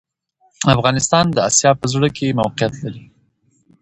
خو ختیځه اروپا نوره هم پر شا ولاړه.